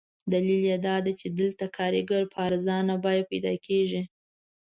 دلیل یې دادی چې دلته کارګر په ارزانه بیه پیدا کېږي.